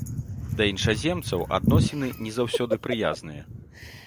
Да іншаземцаў адносіны не заўсёды прыязныя.